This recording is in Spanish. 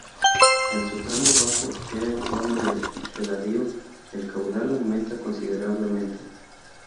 En su tramo bajo, ya en zona de regadío, el caudal aumenta considerablemente.